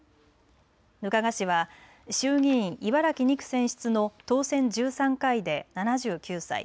額賀氏は衆議院茨城２区選出の当選１３回で７９歳。